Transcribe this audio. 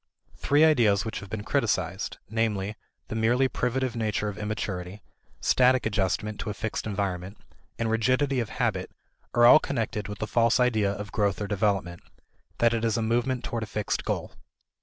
Three ideas which have been criticized, namely, the merely privative nature of immaturity, static adjustment to a fixed environment, and rigidity of habit, are all connected with a false idea of growth or development, that it is a movement toward a fixed goal.